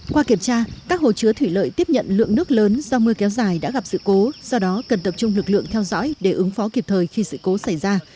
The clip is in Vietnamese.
qua kiểm tra các hồ chứa thủy lợi tiếp nhận lượng nước lớn do mưa kéo dài đã gặp sự cố do đó cần tập trung lực lượng theo dõi để ứng phó kịp thời khi sự cố xảy ra